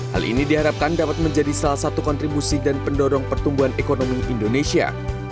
hal ini diharapkan dapat menjadi salah satu kontribusi dan pendorong pertumbuhan ekonomi indonesia